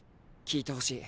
聞いてほしい。